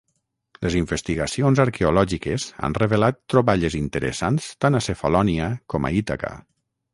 Les investigacions arqueològiques han revelat troballes interessants tant a Cefalònia com a Ítaca.